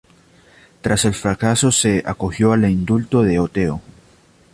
Tras el fracaso se acogió al indulto de Oteo.